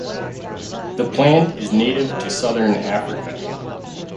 The plant is native to southern Africa.